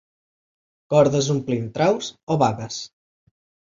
Cordes omplint traus o bagues.